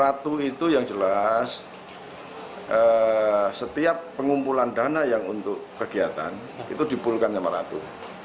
ratu itu yang jelas setiap pengumpulan dana yang untuk kegiatan itu dipulihkan sama ratu